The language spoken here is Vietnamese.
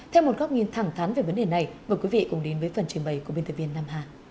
theo một góc nhìn thẳng thắn về vấn đề này mời quý vị cùng đến với phần trình bày của biên tập viên nam hà